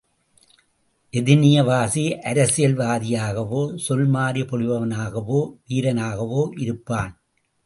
எதினியவாசி அரசியல் வாதியாகவோ, சொல்மாரி பொழிபவனாகவோ, வீரனாகவோ இருப்பான்.